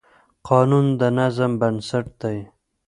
قانون د نظم بنسټ دی.